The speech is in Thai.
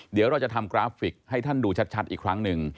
เดี๋ยวเราจะทำกราฟิกให้ท่านดูชัดอีกครั้งหนึ่ง